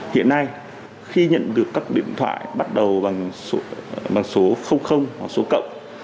hiện nay khi nhận được các điện thoại bắt đầu bằng số hoặc số cộng